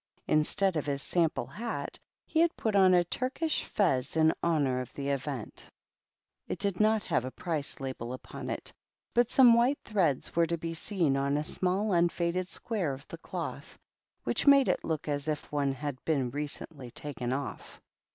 Instead of his <5ample hat he had pul a Turkish fez in honor of the event. It did THE GREAT OCCASION. 241 have a price label upon it, but some white threads were to be seen on a small unfaded square of the cloth, which made it look as if one had been recently taken oflF.